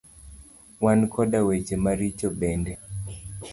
Wan koda weche maricho bende.